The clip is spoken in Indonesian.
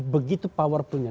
begitu power punya